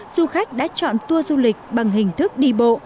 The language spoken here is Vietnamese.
du khách đã chọn tour du lịch bằng hình thức đi bộ